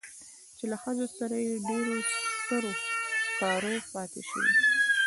چې له ښځو سره يې ډېر سرو کارو پاتې شوى